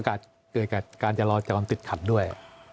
เกิดการรอจากวันติดขันด้วย